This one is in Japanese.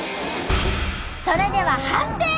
それでは判定！